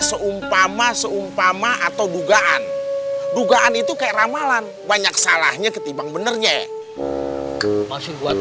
seumpama seumpama atau dugaan dugaan itu kayak ramalan banyak salahnya ketimbang benernya masih buat